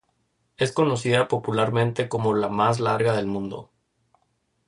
Es conocida popularmente como "La más larga del mundo".